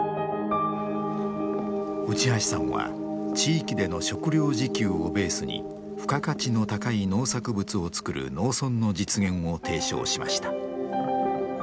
内橋さんは地域での食料自給をベースに付加価値の高い農作物を作る農村の実現を提唱しました。